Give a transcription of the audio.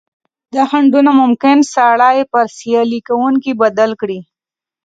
دا خنډونه ممکن سړی پر سیالي کوونکي بدل کړي.